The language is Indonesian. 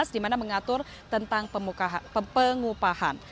di mana mengatur tentang pengupahan